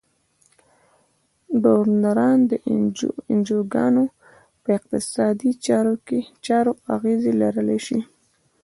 ډونران د انجوګانو په اقتصادي چارو اغیز لرلای شي.